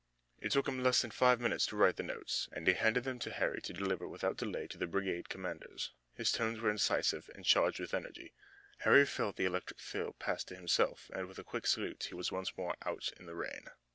It took him less than five minutes to write the notes, and he handed them to Harry to deliver without delay to the brigade commanders. His tones were incisive and charged with energy. Harry felt the electric thrill pass to himself, and with a quick salute he was once more out in the rain.